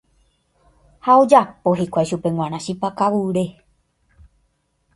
Ha ojapo hikuái chupe g̃uarã chipa kavure.